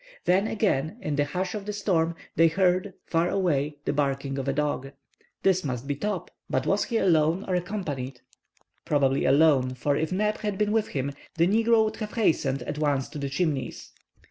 Then again, in the hush of the storm, they heard, far away, the barking of a dog. This must be Top. But was he alone or accompanied? Probably alone, for if Neb had been with him, the negro would have hastened, at once, to the Chimneys.